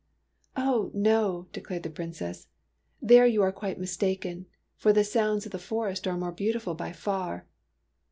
" Oh, no," declared the Princess. " There you are quite mistaken, for the sounds of the forest are more beautiful by far."